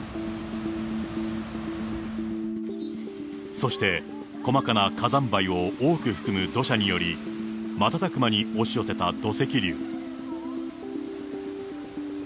そして細かな火山灰を多く含む土砂により、瞬く間に押し寄せた土石流。